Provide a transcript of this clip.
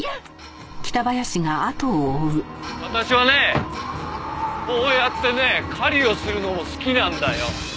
私はねこうやってね狩りをするのも好きなんだよ。